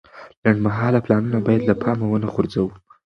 لنډمهاله پلانونه باید له پامه ونه غورځوو.